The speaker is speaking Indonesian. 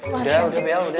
udah udah bel udah